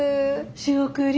仕送り？